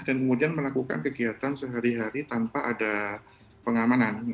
dan kemudian melakukan kegiatan sehari hari tanpa ada pengamanan